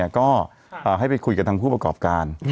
ก็ให้ไปคุยกับทางผู้ประกอบการ